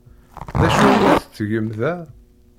D acu ay la tettgem da?